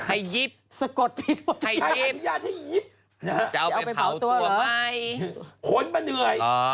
ให้ยิบให้ยิบจะเอาไปเผาตัวหรือ